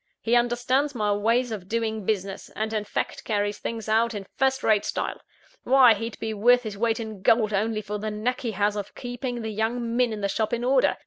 He understands my ways of doing business; and, in fact, carries things out in first rate style. Why, he'd be worth his weight in gold, only for the knack he has of keeping the young men in the shop in order.